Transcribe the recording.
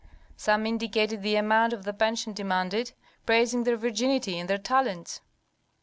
Some indicated the amount of the pension demanded, praising their virginity and their talents.